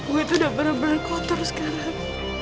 gue tuh udah bener bener kotor sekarang